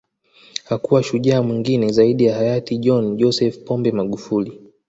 Hakuwa shujaa mwingine zaidi ya hayati John Joseph Pombe Magufuli